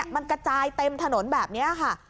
มันกระจายเต็มถนนแบบนี้ค่ะ